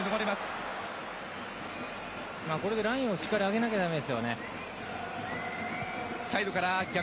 これでラインをしっかり上げなければだめですね。